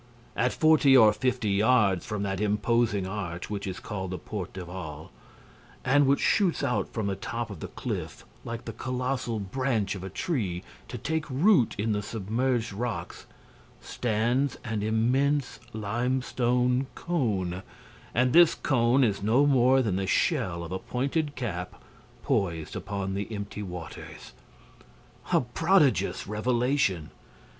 At forty or fifty yards from that imposing arch which is called the Porte d'Aval and which shoots out from the top of the cliff, like the colossal branch of a tree, to take root in the submerged rocks, stands an immense limestone cone; and this cone is no more than the shell of a pointed cap poised upon the empty waters! A prodigious revelation!